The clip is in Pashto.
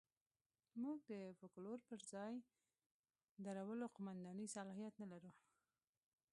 موږ د فوکلور پر ځای درولو قوماندې صلاحیت نه لرو.